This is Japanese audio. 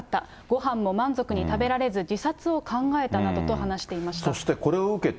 ごはんも満足に食べられず、自殺を考えたなどと話していました。